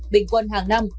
bình quân hàng năm